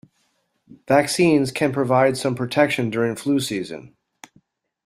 Vaccines can provide some protection during flu season.